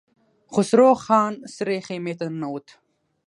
خسرو خان سرې خيمې ته ننوت.